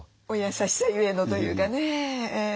お優しさゆえのというかね。